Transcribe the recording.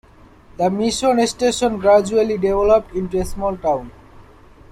The mission station gradually developed into a small town.